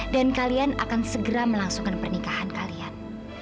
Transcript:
dan kalian akan segera melangsungkan pernikahan kalian